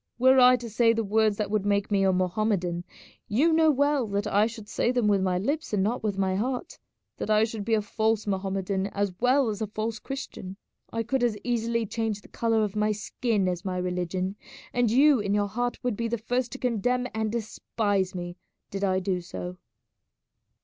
Were I to say the words that would make me a Mohammedan, you know well that I should say them with my lips and not with my heart, that I should be a false Mohammedan as well as a false Christian. I could as easily change the colour of my skin as my religion, and you in your heart would be the first to condemn and despise me did I do so."